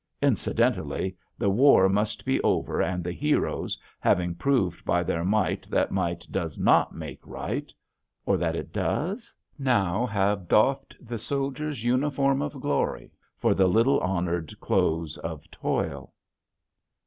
Incidentally, the war must be over and the heroes, having proved by their might that might does not make right or that it does? (!) now have doffed the soldier's uniform of glory for the little honored clothes of toil.